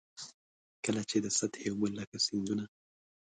کله چي د سطحي اوبو لکه سیندونه.